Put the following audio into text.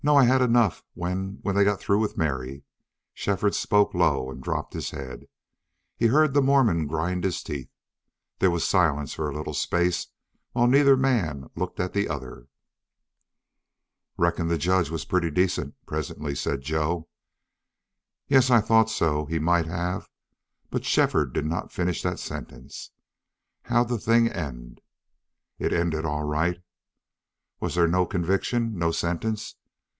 I had enough when when they got through with Mary." Shefford spoke low and dropped his head. He heard the Mormon grind his teeth. There was silence for a little space while neither man looked at the other. "Reckon the judge was pretty decent," presently said Joe. "Yes, I thought so. He might have " But Shefford did not finish that sentence. "How'd the thing end?" "It ended all right." "Was there no conviction no sentence?"